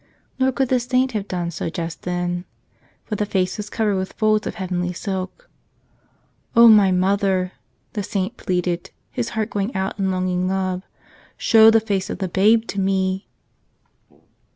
Nor could the saint have done so just then. For the face was covered with folds of heavenly silk. "O my Mother," the saint pleaded, his heart going out in longing love. "Show the face of the Babe to me